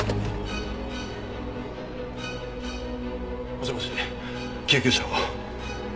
もしもし救急車を。